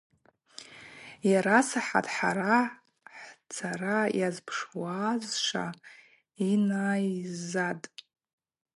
Йарасахӏат хӏара хӏцара йазпшуазшва йнайззатӏ.